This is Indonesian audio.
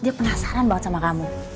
dia penasaran banget sama kamu